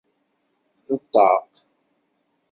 D ṭṭaq.